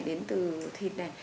đến từ thịt này